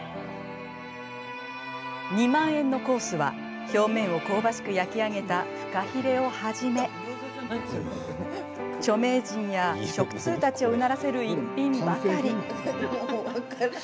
２万円のコースは表面を香ばしく焼き上げたフカヒレをはじめ著名人や食通たちをうならせる逸品ばかり。